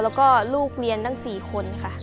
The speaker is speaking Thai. แล้วก็ลูกเรียนตั้ง๔คนค่ะ